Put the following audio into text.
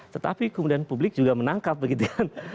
tetapi kemudian publik juga menangkap begitu kan